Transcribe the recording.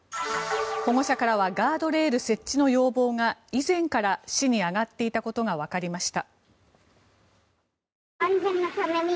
保護者からはガードレール設置の要望が以前から市に上がっていたことがわかりました。